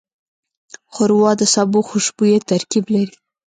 ښوروا د سبو خوشبویه ترکیب لري.